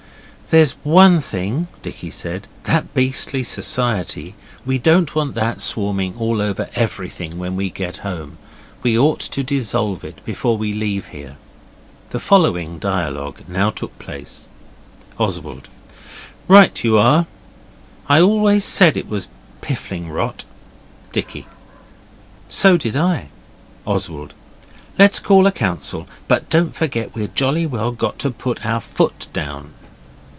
'There's one thing,' Dickie said, 'that beastly society. We don't want that swarming all over everything when we get home. We ought to dissolve it before we leave here.' The following dialogue now took place: Oswald 'Right you are. I always said it was piffling rot.' Dicky 'So did I.' Oswald 'Let's call a council. But don't forget we've jolly well got to put our foot down.